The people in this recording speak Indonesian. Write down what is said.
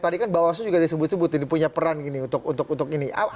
tadi kan bawaslu juga disebut sebut ini punya peran gini untuk ini